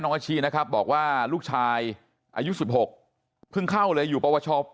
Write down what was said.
น้องอาชินะครับบอกว่าลูกชายอายุ๑๖เพิ่งเข้าเลยอยู่ประวัติศาสตร์